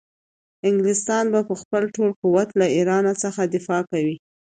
انګلستان به په خپل ټول قوت له ایران څخه دفاع کوي.